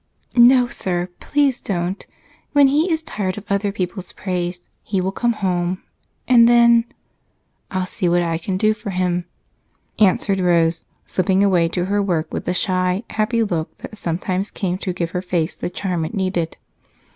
"No, sir, please don't! When he is tired of other people's praise, he will come home, and then I'll see what I can do for him," answered Rose, slipping away to her work with the shy, happy look that sometimes came to give to her face the charm it needed.